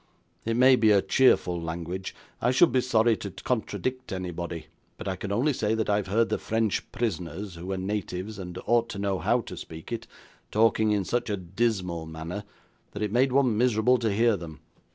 It may be a cheerful language. I should be sorry to contradict anybody; but I can only say that I've heard the French prisoners, who were natives, and ought to know how to speak it, talking in such a dismal manner, that it made one miserable to hear them.